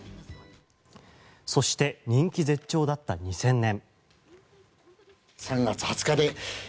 そして人気絶頂だった２０００年。